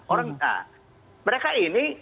orang nah mereka ini